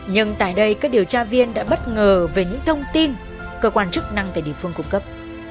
nhưng tại đây các điều tra viên đã bất ngờ về những thông tin cơ quan chức năng tại địa phương cung cấp